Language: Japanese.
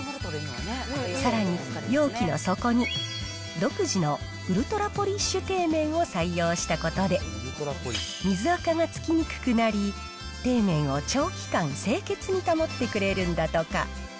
さらに、容器の底に独自のウルトラポリッシュ底面を採用したことで、水あかがつきにくくなり、底面を長期間、清潔に保ってくれるんだとか。